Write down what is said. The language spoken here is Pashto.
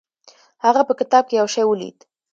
هغه په کتاب کې یو شی ولید.